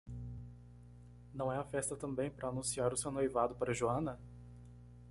Não é a festa também para anunciar o seu noivado para Joanna?